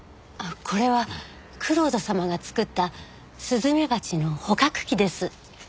これは蔵人様が作ったスズメバチの捕獲器です。